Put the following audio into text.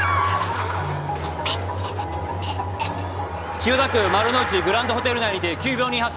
・千代田区丸の内グランドホテル内にて急病人発生。